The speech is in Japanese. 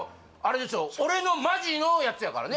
俺のマジのやつやからね